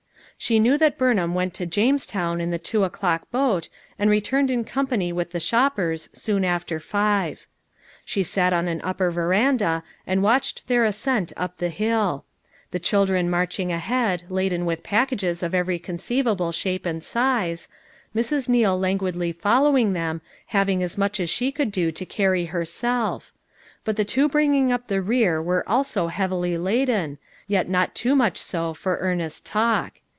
She knew that Burnham went to Jamestown in the two o'clock boat and returned in company with the shoppers soon after five. She sat on an upper veranda and watched their ascent up the hill; the children marching ahead laden with pack ages of every conceivable shape and size; FOUR MOTHERS AT CHAUTAUQUA 363 Mrs. Neal languidly following them having as much as she could do to cany herself; but the two bringing up the rear were also heavily laden, yet not too much so for earnest talk.